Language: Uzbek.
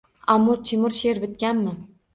Amir Temur sheʼr bitganmi?